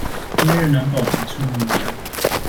今日能否提出名單？